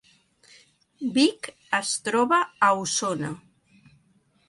Vic es troba a Osona